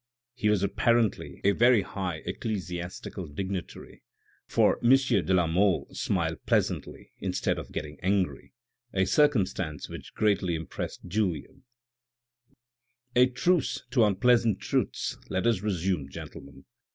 He was apparently a very high ecclesiastical dignitary, for M. de la Mole smiled pleasantly, instead oj getting angry, a circumstance which greatly impressed Julien. "A truce to unpleasant truths, let us resume, gentlemen.